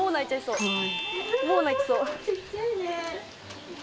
ちっちゃいね。